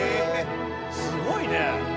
すごいね。